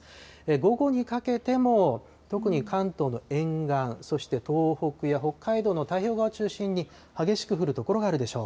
午後にかけても特に関東の沿岸、そして東北や北海道の太平洋側を中心に、激しく降る所があるでしょう。